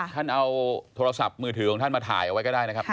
ท่านเอาโทรศัพท์มือถือของท่านมาถ่ายเอาไว้ก็ได้นะครับ